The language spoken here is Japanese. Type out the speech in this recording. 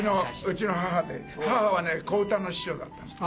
うちの母で母は小唄の師匠だったの。